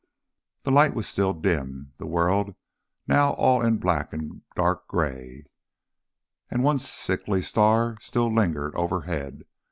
The light was still dim, the world now all in black and dark grey, and one sickly star still lingered overhead.